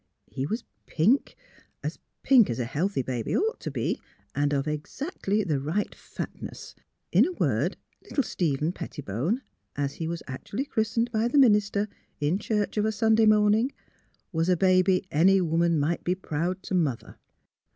He was pink — as pink as a healthy baby ought to be, and of exactly the right fatness. In a word, little Stephen Pettibone (as he was actually chris tened by the minister in church, of a Sunday morning) was a baby any woman might be proud to mother.